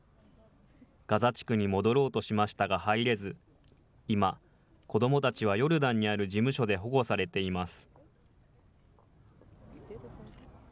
ガザ地区に戻ろうとしましたが入れず、今、子どもたちはヨルダンにある事務所で保護されています。